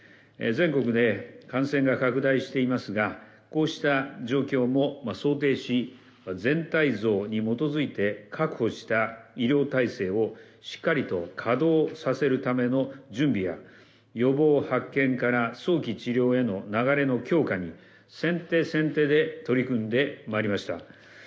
全国で感染が拡大していますが、こうした状況も想定し、全体像に基づいて確保した医療体制をしっかりと稼働させるための準備や、予防、発見から早期治療への流れの強化に、先手先手で取り組んでまいりました。